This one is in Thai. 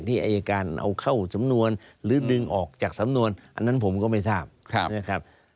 อายการเอาเข้าสำนวนหรือดึงออกจากสำนวนอันนั้นผมก็ไม่ทราบนะครับ